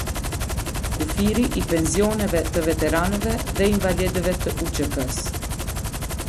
Kufiri i pensioneve të veteranëve dhe invalidëve të UÇK-së.